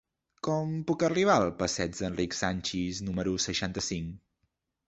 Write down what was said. Com puc arribar al passeig d'Enric Sanchis número seixanta-cinc?